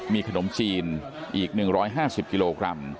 มีขนมจีนอีก๑๕๐กิโลกรัม